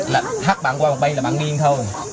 là thắt bạn qua một bên là bạn miên thôi